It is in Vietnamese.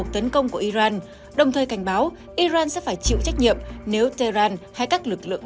tấn công của iran đồng thời cảnh báo iran sẽ phải chịu trách nhiệm nếu tehran hay các lực lượng